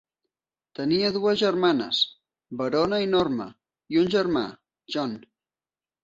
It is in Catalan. Tenia dues germanes, Verona i Norma, i un germà, John.